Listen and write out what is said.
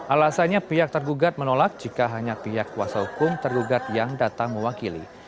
alasannya pihak tergugat menolak jika hanya pihak kuasa hukum tergugat yang datang mewakili